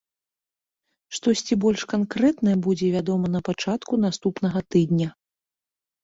Штосьці больш канкрэтнае будзе вядома на пачатку наступнага тыдня.